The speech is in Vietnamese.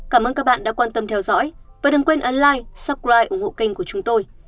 cảm ơn các bạn đã quan tâm theo dõi và đừng quên ấn like subscribe ủng hộ kênh của chúng tôi